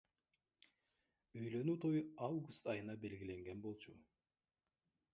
Үйлөнүү той август айына белгиленген болчу.